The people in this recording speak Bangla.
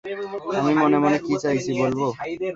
আমি মনে মনে কী চাইছি বলবো?